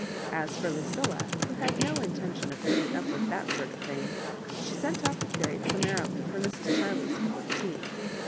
As for Lucilla, who had no intention of putting up with tliat sort of thing, she sent off the curate summarily for Mrs. Chiley's cup of tea.